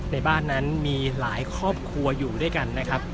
ในบ้านนั้นมีหลายครอบครัวอยู่ด้วยกันนะครับ